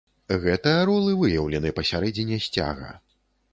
Гэты арол і выяўлены пасярэдзіне сцяга.